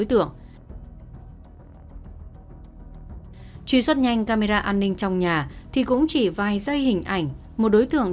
sau khi sơ bộ xác minh ban đầu và hiện trường